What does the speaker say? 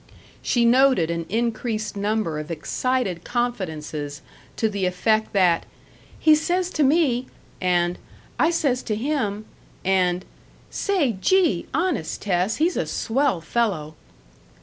She noted an increased number of excited confidences to the effect that, "He says to me " and "I says to him " and, "Say, gee! honest, Tess, he's a swell fellow."